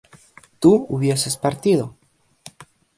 tú hubieses partido